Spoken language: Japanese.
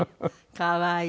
可愛い。